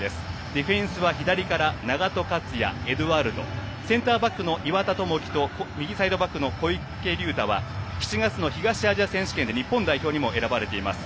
ディフェンスが左から永戸、エドゥアルドセンターバックの岩田と右サイドバックの小池は東アジア選手権で日本代表にも選ばれています。